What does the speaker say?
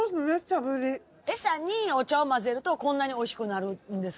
餌にお茶を混ぜるとこんなにおいしくなるんですか？